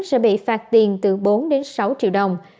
sẽ bị phạt tiền từ bốn sáu triệu đồng